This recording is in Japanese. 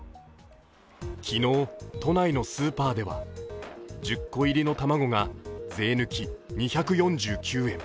昨日、都内のスーパーでは１０個入りの卵が税抜き２４９円。